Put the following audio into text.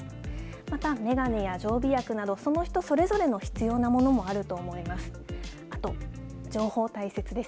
また、眼鏡や常備薬など、その人それぞれの必要なものもあると思います。